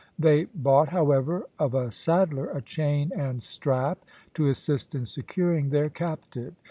They bought, however, of a saddler a chain and strap to assist in securing their captive.